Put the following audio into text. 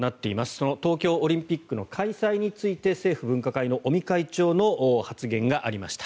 その東京オリンピックの開催について政府分科会の尾身会長の発言がありました。